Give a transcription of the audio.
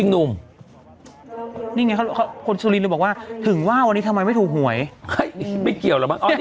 อ๋อนี่คือพิธีปกติ